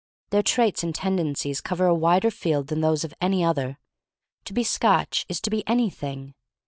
Their traits and tendencies cover a wider field than those of any other. To be Scotch is to be anything.